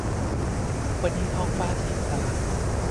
วันนี้ท้องฟ้าสีคราม